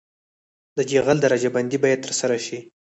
د جغل درجه بندي باید ترسره شي